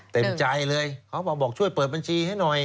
เต็มใจเลยเขาบอกช่วยเปิดบัญชีให้หน่อย